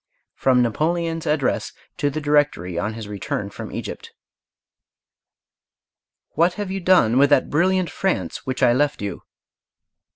FROM NAPOLEON'S ADDRESS TO THE DIRECTORY ON HIS RETURN FROM EGYPT What have you done with that brilliant France which I left you?